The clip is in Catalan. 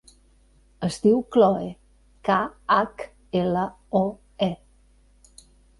Es diu Khloe: ca, hac, ela, o, e.